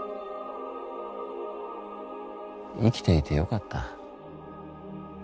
生きていてよかった。